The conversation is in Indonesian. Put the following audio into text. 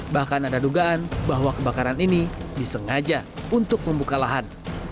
bahkan ada dugaan bahwa kebakaran ini disengaja untuk membuka lahan